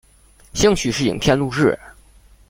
兴趣是影片录制。